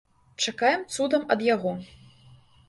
Чакаем цудам ад яго.